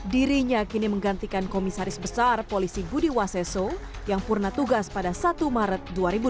dirinya kini menggantikan komisaris besar polisi budi waseso yang purna tugas pada satu maret dua ribu dua puluh